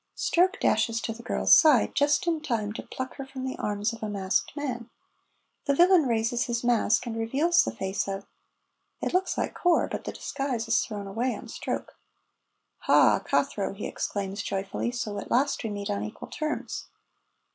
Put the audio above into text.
Stroke dashes to the girl's side, just in time to pluck her from the arms of a masked man. The villain raises his mask and reveals the face of it looks like Corp, but the disguise is thrown away on Stroke. "Ha, Cathro," he exclaims joyfully, "so at last we meet on equal terms!"